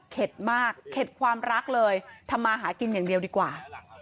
มากเข็ดความรักเลยทำมาหากินอย่างเดียวดีกว่า